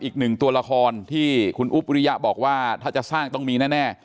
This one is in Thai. อีกหนึ่งตัวละครที่คุณอุ๊บวิริยะบอกว่าถ้าจะสร้างต้องมีแน่